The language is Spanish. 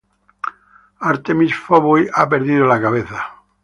Artemis Fowl ha perdido la cabeza.